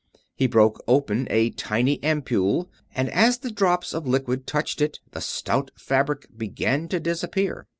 He broke open a tiny ampoule, and as the drops of liquid touched it the stout fabric began to disappear.